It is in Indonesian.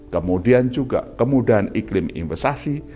kemudian juga kemudahan iklim investasi